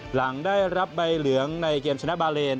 หลังได้รับใบเหลืองในเกมชนะบาเลน